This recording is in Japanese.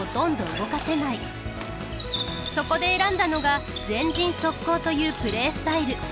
そこで選んだのが「前陣速攻」というプレースタイル。